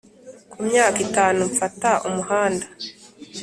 ku myaka itanu mfata umuhanda,